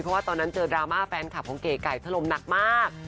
เพราะว่าตอนนั้นเจอดราม่าแฟนคลับของเก๋ไก่ทะลมหนักมาก